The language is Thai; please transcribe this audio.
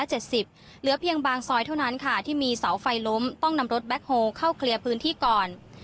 เหลือเพียงบางซอยเท่านั้นค่ะที่มีเสาไฟล้มต้องนำรถแบ็คโฮลเข้าเคลียร์พื้นที่ก่อน